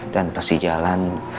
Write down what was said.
dan pas di jalan